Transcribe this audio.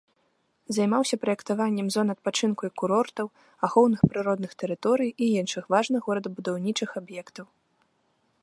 Займаўся праектаваннем зон адпачынку і курортаў, ахоўных прыродных тэрыторый і іншых важных горадабудаўнічых аб'ектаў.